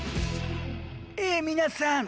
え皆さん